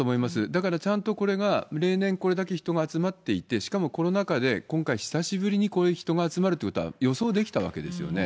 だからちゃんとこれが例年、これだけ人が集まっていて、しかもコロナ禍で、今回久しぶりにこういう人が集まるということは予想できたわけですよね。